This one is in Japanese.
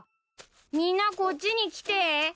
みんなこっちに来て。